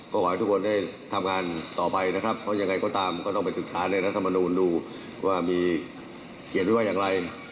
ก็ขอให้ทุกคนได้ทำงานต่อไปนะครับเพราะยังไงก็ตามก็ต้องไปศึกษาในรัฐมนูลดูว่ามีเขียนไว้ว่าอย่างไร